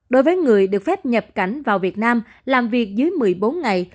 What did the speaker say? đối với người được phép nhập cảnh vào việt nam làm việc dưới một mươi bốn ngày